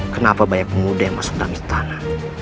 kenapa banyak pemuda yang masuk dalam istana